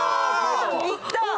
いった！